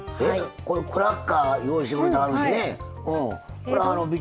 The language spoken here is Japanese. これクラッカー用意してくれてはるんですね。